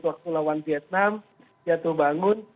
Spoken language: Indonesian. waktu lawan vietnam jatuh bangun